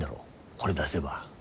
これ出せば。